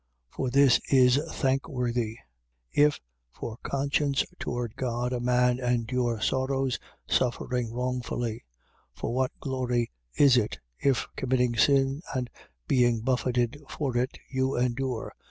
2:19. For this is thankworthy: if, for conscience towards God, a man endure sorrows, suffering wrongfully. 2:20. For what glory is it, if, committing sin and being buffeted for it, you endure?